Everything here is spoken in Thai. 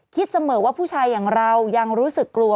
คิดเสมอว่าผู้ชายอย่างเรายังรู้สึกกลัว